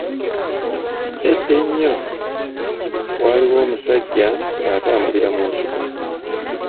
Edda ennyo, waaliwo omusajja nga atambulira mu nsiko.